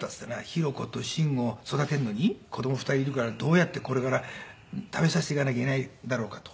裕子と慎吾を育てるのに子供２人いるからどうやってこれから食べさせていかなきゃいけないだろうかと。